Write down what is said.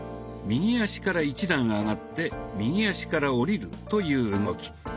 右足から１段上がって右足から下りるという動き。